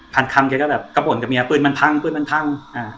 พันคำแกก็แบบกระบ่นกับเมียปืนมันพังปืนมันพังอ่า